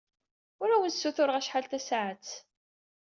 Ur awen-ssutureɣ acḥal tasaɛet.